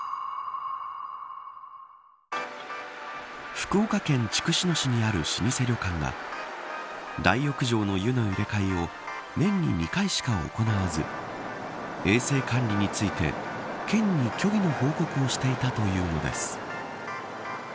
福岡県筑紫野市にある老舗旅館が大浴場の湯の入れ替えを年に２回しか行わず衛生管理について県に虚偽の報告をしていたというのです。